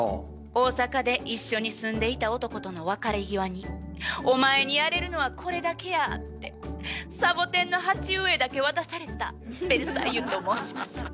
大阪で一緒に住んでいた男との別れ際に「お前にやれるのはこれだけや」ってサボテンの鉢植えだけ渡されたベルサイユと申します。